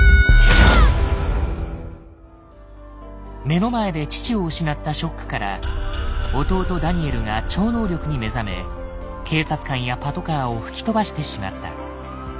目の前で父を失ったショックから弟ダニエルが超能力に目覚め警察官やパトカーを吹き飛ばしてしまった。